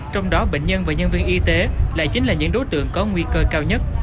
trong đó bệnh nhân và nhân viên y tế lại chính là những đối tượng có nguy cơ cao nhất